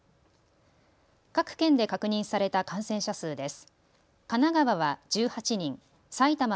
各県で確認された感染者数です。